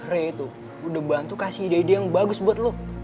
re itu udah bantu kasih ide ide yang bagus buat lo